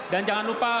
dan jangan lupa